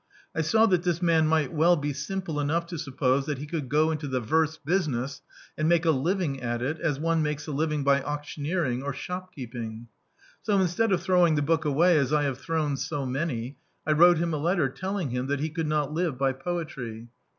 I saw that this man might well be simple enou^ to suppose that he could go into the verse business and make a living at it as one makes a living by auctioneering or shopkeeping. So instead of throwing the book away as I have thrown so many, I wrote him a letter telling him that he could not live by poetry.